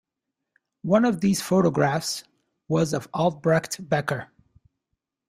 One of these photographs was of Albrecht Becker.